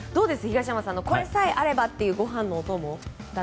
東山さんのこれさえあればというご飯のお供。